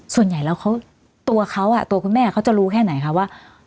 ส่วนใหญ่แล้วตัวเขาตัวคุณแม่เขาจะรู้แค่ไหนคะว่า